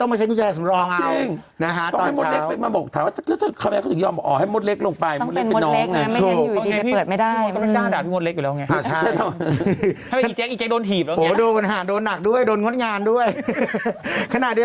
ต้องมาเช็คตัวแชร์ฝรั่งเอาตอนเช้าใช่